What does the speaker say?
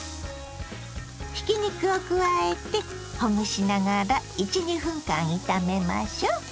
ひき肉を加えてほぐしながら１２分間炒めましょう。